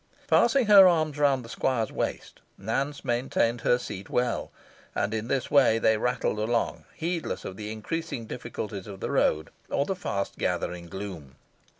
Passing her arms round the squire's waist, Nance maintained her seat well; and in this way they rattled along, heedless of the increasing difficulties of the road, or the fast gathering gloom.